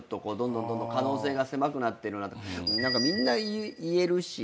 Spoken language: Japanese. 可能性が狭くなってるなとかみんな言えるし。